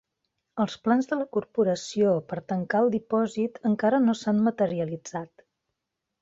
Els plans de la corporació per tancar el dipòsit encara no s'han materialitzat.